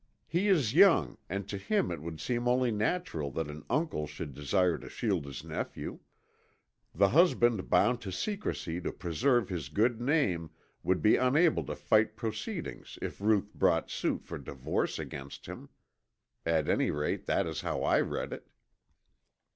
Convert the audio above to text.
He is young and to him it would seem only natural that an uncle should desire to shield his nephew. The husband bound to secrecy to preserve his good name would be unable to fight proceedings if Ruth brought suit for divorce against him. At any rate, that is how I read it."